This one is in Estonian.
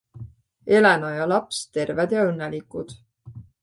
Elena ja laps terved ja õnnelikud.